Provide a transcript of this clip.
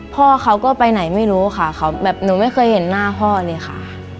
พ่อเขาก็ไปไหนไม่รู้ค่ะเขาแบบหนูไม่เคยเห็นหน้าพ่อเลยค่ะ